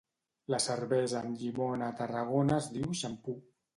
La cervesa amb llimona a Tarragona es diu xampú